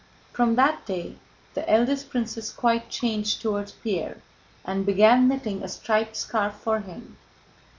From that day the eldest princess quite changed toward Pierre and began knitting a striped scarf for him.